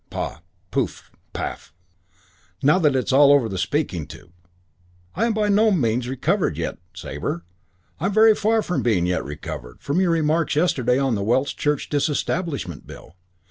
_ Pah! Pouff! Paff! Now it's all over the speaking tube! I am by no means recovered yet, Sabre, I am very far from being yet recovered, from your remarks yesterday on the Welsh Church Disestablishment Bill.